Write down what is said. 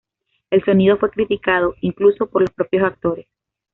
El sonido fue criticado, incluso, por los propios actores.